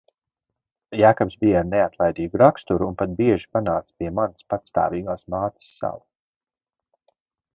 Jēkabs bija ar neatlaidīgu raksturu un pat bieži panāca pie manas patstāvīgās mātes savu.